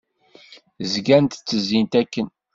Zgant ttezzint akken.